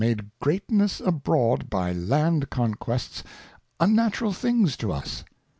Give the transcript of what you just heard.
1 69 made Greatness abroad by Land Cont[uests unnatural things to us.